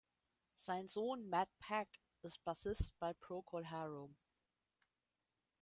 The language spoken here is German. Sein Sohn Matt Pegg ist Bassist bei Procol Harum.